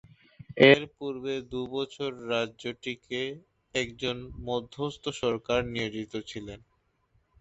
এর পূর্বে দুবছর রাজ্যটিতে একজন মধ্যস্থ সরকার নিয়োজিত ছিলেন।